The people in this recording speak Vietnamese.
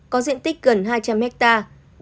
có diện tích gần hai trăm linh hectare